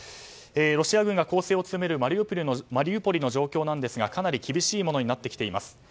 ロシア軍が攻勢を強めるマリウポリの状況なんですがかなり厳しいものになってきています。